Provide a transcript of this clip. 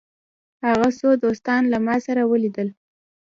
هغه څو دوستان له ما سره ولیدل.